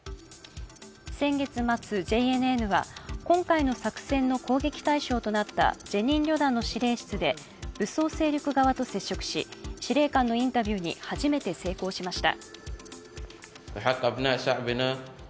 先月末、ＪＮＮは今回の作戦の攻撃対象となったジェニン旅団の司令室で武装勢力側と接触し、司令官のインタビューに初めて成功しました。